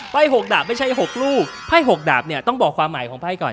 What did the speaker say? ๖ดาบไม่ใช่๖ลูกไพ่๖ดาบเนี่ยต้องบอกความหมายของไพ่ก่อน